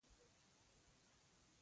هلک له صداقت نه ژوند جوړوي.